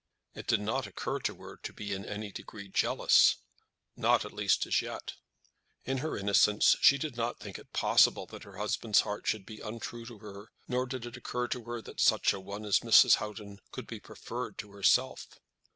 It did not occur to her to be in any degree jealous, not, at least, as yet. In her innocence she did not think it possible that her husband's heart should be untrue to her, nor did it occur to her that such a one as Mrs. Houghton could be preferred to herself.